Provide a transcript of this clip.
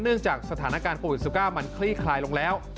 จากสถานการณ์โควิด๑๙มันคลี่คลายลงแล้ว